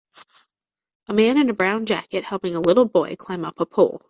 A man in a brown jacket helping a little boy climb up a pole.